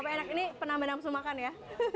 tapi enak ini penambah nambah maksud makan ya